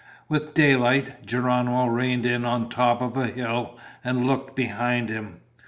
With daylight, Geronimo reined in on top of a hill and looked behind him.